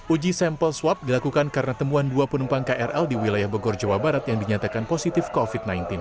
uji sampel swab dilakukan karena temuan dua penumpang krl di wilayah bogor jawa barat yang dinyatakan positif covid sembilan belas